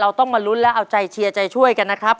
ต้องมาลุ้นและเอาใจเชียร์ใจช่วยกันนะครับ